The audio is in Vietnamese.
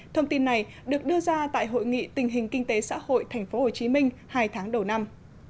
thông tin này được đưa ra tại hội nghị tình hình kinh tế xã hội tp hcm hai tháng đầu năm